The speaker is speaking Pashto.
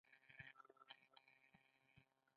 هر يو د بل په اړه د ښو فکرونو څښتن وي.